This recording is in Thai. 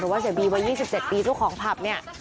หรือว่าเสียบีวัน๒๗ปีทุกของพรรพเนี่ย